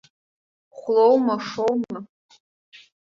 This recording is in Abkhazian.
Хәлоума-шоума?